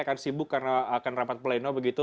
akan sibuk karena akan rapat pleno begitu